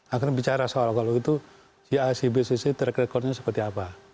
akhirnya bicara soal kalau itu si a si b si c track record nya seperti apa